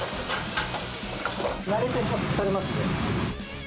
慣れても疲れますね。